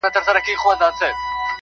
او د مقاومت توان له لاسه ورکوي-